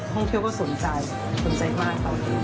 ห้องเที่ยวก็สนใจสนใจมาก